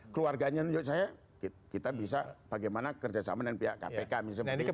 keluarganya menurut saya kita bisa bagaimana kerjasama dengan pihak kpk misalnya